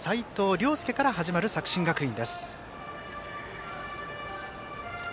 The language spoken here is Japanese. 綾介から始まる作新学院です。